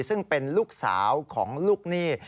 ซึ่งเป็นลูกสาวของลูกหนี้